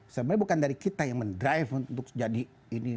sebenarnya bukan dari kita yang mendrive untuk jadi ini